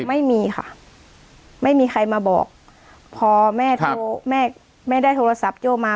ไม่มีค่ะไม่มีใครมาบอกพอแม่ได้โทรศัพท์โจ้มา